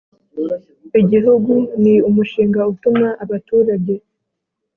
i gihugu, ni umushinga utuma abaturage